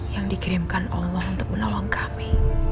yang dikirimkan allah untuk menolong kami